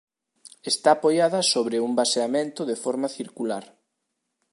Está apoiada sobre un baseamento de forma circular.